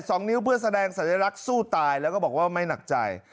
สองนิ้วเพื่อแสดงสัญลักษณ์สู้ตายแล้วก็บอกว่าไม่หนักใจ